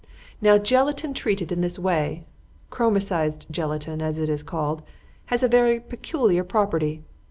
"Now gelatine treated in this way chromicized gelatine, as it is called has a very peculiar property.